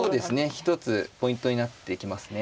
一つポイントになってきますね。